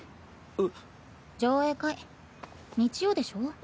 えっ？上映会日曜でしょ？